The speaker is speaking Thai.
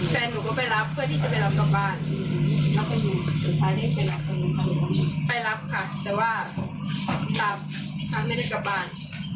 แฟนหนูก็ไปรับเพื่อที่จะไปรับกลับบ้าน